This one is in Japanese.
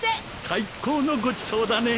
最高のごちそうだね。